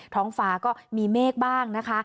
ท้องฟ้าก็มีเมฆบ้างนะคะ